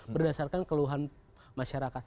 berdasarkan keluhan masyarakat